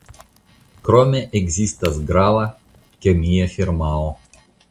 Krome ekzistas grava kemia firmao.